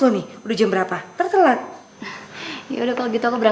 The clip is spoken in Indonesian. ini aku juga ada kado buat kamu